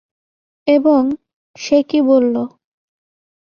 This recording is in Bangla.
এবং সে কি বলল?